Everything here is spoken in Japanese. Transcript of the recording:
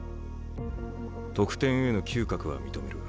得点への嗅覚は認める。